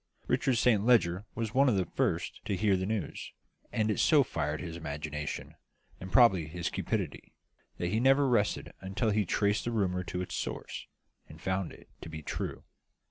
Richard Saint Leger was one of the first to hear the news; and it so fired his imagination and probably his cupidity that he never rested until he had traced the rumour to its source, and found it to be true.